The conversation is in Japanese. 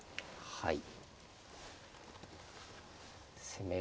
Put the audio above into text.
はい。